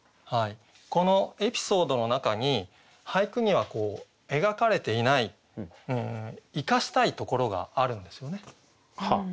このエピソードの中に俳句には描かれていない生かしたいところがあるんですよね。